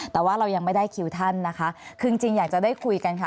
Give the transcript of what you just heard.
แต่ว่าเรายังไม่ได้คิวท่านนะคะคือจริงอยากจะได้คุยกันค่ะ